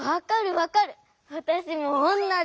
わたしもおんなじ。